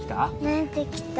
なれてきた。